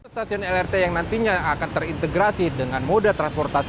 stasiun lrt yang nantinya akan terintegrasi dengan moda transportasi